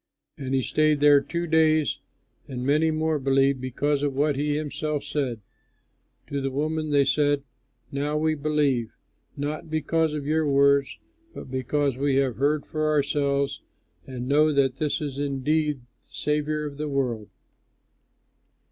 And he stayed there two days, and many more believed because of what he himself said. To the woman they said, "Now we believe, not because of your words but because we have heard for ourselves and know that this is indeed the Saviour of the world."